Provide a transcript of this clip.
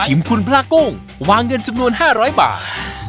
คุณพระโก้งวางเงินจำนวน๕๐๐บาท